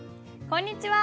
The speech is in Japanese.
こんにちは。